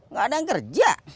nggak ada yang kerja